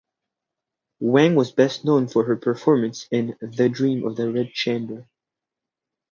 Wang was best known for her performance in "The Dream of the Red Chamber".